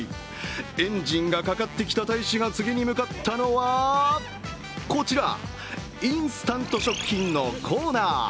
エンジンがかかってきた大使が次に向かったのはこちら、インスタント食品のコーナー。